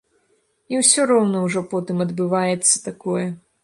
І ўсё роўна ўжо потым адбываецца такое.